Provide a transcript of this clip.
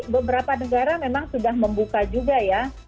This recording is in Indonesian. ya jadi beberapa negara memang sudah membuka juga ya